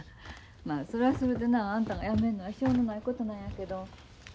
まあそれはそれでなあんたがやめんのはしょうのないことなんやけど。